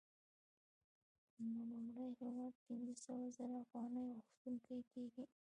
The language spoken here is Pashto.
نو لومړی هېواد پنځه سوه زره افغانۍ غوښتونکی کېږي